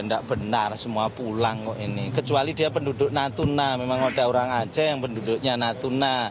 enggak benar semua pulang kok ini kecuali dia penduduk natuna memang ada orang aceh yang penduduknya natuna